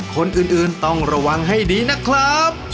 คนอื่นต้องระวังให้ดีนะครับ